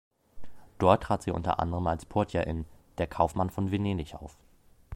Dort trat sie unter anderem als Portia in "Der Kaufmann von Venedig" auf.